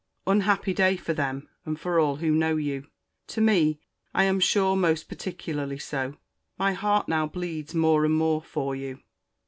—Unhappy day for them, and for all who know you!—To me, I am sure, most particularly so!—My heart now bleeds more and more for you.